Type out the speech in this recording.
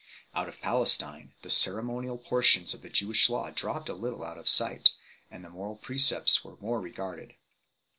Out of Palestine, the ceremonial portions of the Jewish Law dropped a little out of sight, and the moral precepts were more regarded.